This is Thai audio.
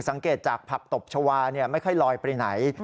สังเกตจากผักตบชาวาไม่ค่อยลอยไปไหน